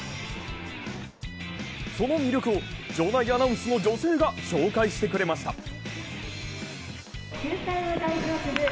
その魅力を場内アナウンスの女性が紹介してくれました。